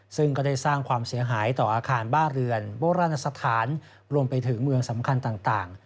ซึ่งก็ได้สร้างความเสียหายต่ออาคารบ้านเรือนโบราณสถานรวมไปถึงเมืองสำคัญต่าง